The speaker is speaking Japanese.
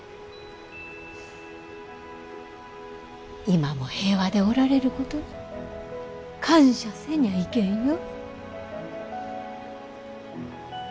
今も平和でおられることに感謝せにゃいけんよ。